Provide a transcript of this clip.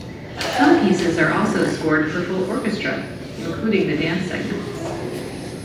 Some pieces are also scored for full orchestra, including the dance segments.